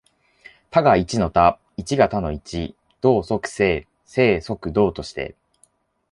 多が一の多、一が多の一、動即静、静即動として、